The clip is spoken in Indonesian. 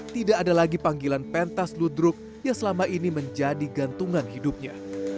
tidak ada lagi panggilan pentas ludruk yang selama ini menjadi gantungan hidupnya